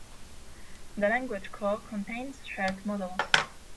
The language core contains shared models